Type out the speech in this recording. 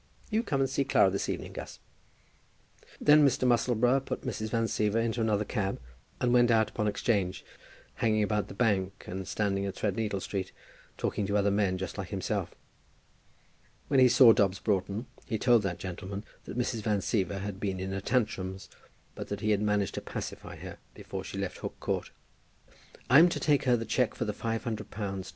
You come and see Clara this evening, Gus." Then Mr. Musselboro put Mrs. Van Siever into another cab, and went out upon 'Change, hanging about the Bank, and standing in Threadneedle Street, talking to other men just like himself. When he saw Dobbs Broughton he told that gentleman that Mrs. Van Siever had been in her tantrums, but that he had managed to pacify her before she left Hook Court. "I'm to take her the cheque for the five hundred to night," he said.